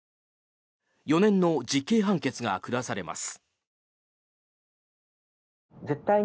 ４年の実刑判決が下されます。